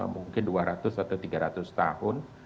mungkin dua ratus atau tiga ratus tahun